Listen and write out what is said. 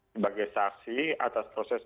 sebagai saksi atas proses